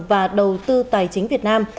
và đầu tư tài chính việt nam